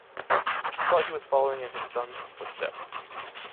He thought he was following in his son's footsteps!